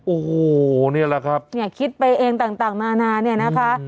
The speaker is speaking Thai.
โอ้โหนี่แหละครับคิดไปเองต่างมานานนะคะ